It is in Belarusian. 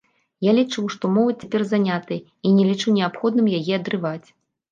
Я лічу, што моладзь цяпер занятая, і не лічу неабходным яе адрываць.